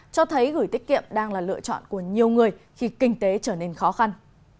cho thấy gửi tiết kiệm đang là lựa chọn của nhiều người khi kinh tế trở nên khó khăn